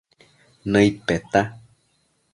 Nëid peta